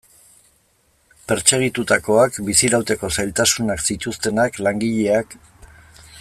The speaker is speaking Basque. Pertsegitutakoak, bizirauteko zailtasunak zituztenak, langileak...